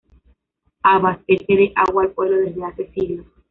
Abastece de agua al pueblo desde hace siglos.